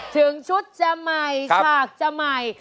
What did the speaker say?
ถึงชุดจะใหม่ฉากจะใหม่